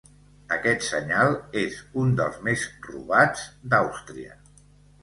Aquest senyal és un dels més robats d'Àustria.